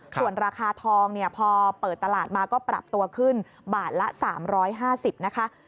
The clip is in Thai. ส่วนราคาทองพอเปิดตลาดมาก็ปรับตัวขึ้นบาทละ๓๕๐นะคะ